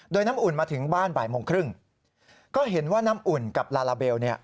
โดยน้ำอุ่นมาถึงบ้านบ่ายโมงครึ่งก็เห็นว่าน้ำอุ่นกับลาลาเบลเนี่ย